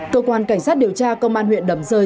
cơ quan cảnh sát điều tra công an huyện đầm rơi